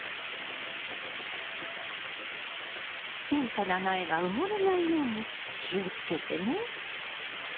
小さな苗が埋もれないように気をつけてね。